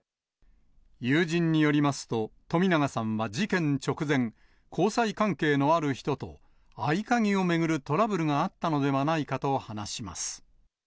友人によりますと、冨永さんは事件直前、交際関係のある人と合鍵を巡るトラブルがあったのではないかと話します。